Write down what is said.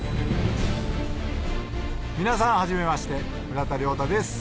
皆さん初めまして村田諒太です